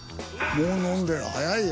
もう飲んでる早いよ。